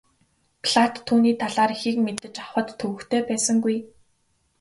Платт түүний талаар ихийг мэдэж авахад төвөгтэй байсангүй.